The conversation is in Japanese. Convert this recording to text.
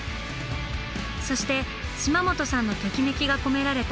そして島本さんのときめきが込められたマウント武士。